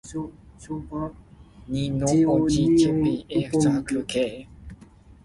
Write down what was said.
一年換二十四个頭家